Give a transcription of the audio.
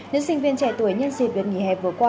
nữ sinh viên trẻ tuổi nhân diệt việt nghỉ hẹp vừa qua